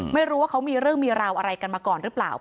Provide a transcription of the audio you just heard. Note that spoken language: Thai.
ไม่รู้แหลวมีเรื่องมีเกล่าอะไรกันมาก่อนรึเปล่า